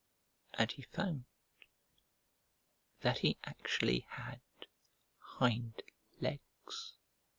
And he found that he actually had hind legs!